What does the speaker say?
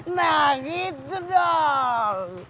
nah gitu dong